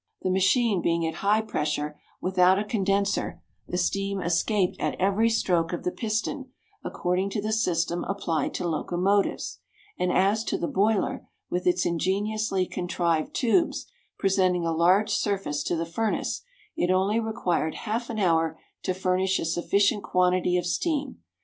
The machine being at high pressure, without a condenser, the steam escaped at every stroke of the piston, according to the system applied to locomotives ; and as to the boiler, with its ingeniously contrived tubes, presenting a large surface to the furnace, it only required half an hour to furnish a sufficient quantity of steam.